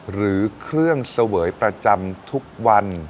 หรือเครื่องเสวยประจำทุกวัน